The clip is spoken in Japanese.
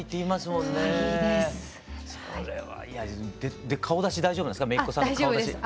で顔出し大丈夫なんですか？